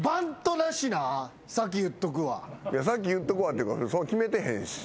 先言っとくわってか決めてへんし。